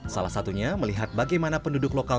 salah satunya melihat bagaimana penduduk lokal